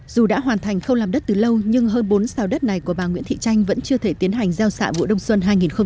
dù đã hoàn thành khâu làm đất từ lâu nhưng hơn bốn sao đất này của bà nguyễn thị tranh vẫn chưa thể tiến hành gieo xạ vụ đông xuân hai nghìn một mươi hai nghìn hai mươi